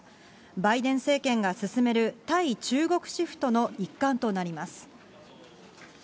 バイデン政権が進める対中国シフトの一環となります。